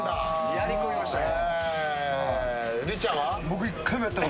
やりこみましたよ。